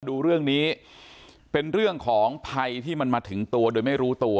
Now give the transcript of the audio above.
ดูเรื่องนี้เป็นเรื่องของภัยที่มันมาถึงตัวโดยไม่รู้ตัว